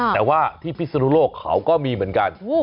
แต่ว่าที่พิศนุโลกเขาก็มีเหมือนกัน